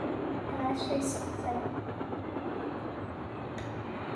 Can I say something?